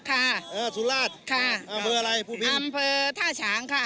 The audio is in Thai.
ค่ะเออสุราชค่ะอำเภออะไรผู้นี้อำเภอท่าฉางค่ะ